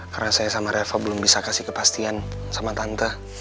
karena saya sama reva belum bisa kasih kepastian sama tante